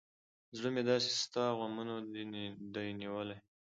زړه مې داسې ستا غمونه دى نيولى.